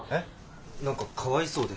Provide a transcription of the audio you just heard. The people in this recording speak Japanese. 何かかわいそうで。